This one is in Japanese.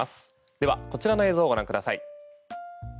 では、こちらの映像をご覧ください。